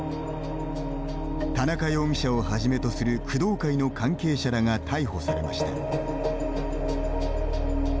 田中容疑者をはじめとする工藤会の関係者らが逮捕されました。